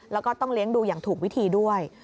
แล้วก็ต้องเลี้ยงดูอย่างถูกวิธีด้วย